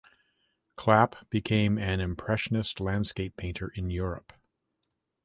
Clapp became an Impressionist landscape painter in Europe.